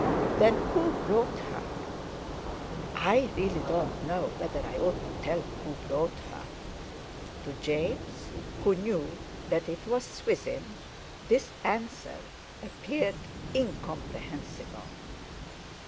"Then—who brought her?" "I really don't know whether I ought to tell you who brought her." To James, who knew that it was Swithin, this answer appeared incomprehensible.